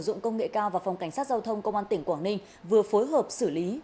dụng công nghệ cao và phòng cảnh sát giao thông công an tỉnh quảng ninh vừa phối hợp xử lý